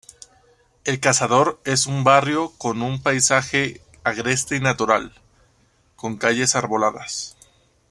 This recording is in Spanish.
El Cazador es un barrio con un paisaje agreste y natural, con calles arboladas.